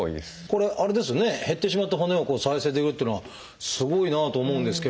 これあれですよね減ってしまった骨を再生できるっていうのはすごいなと思うんですけれども。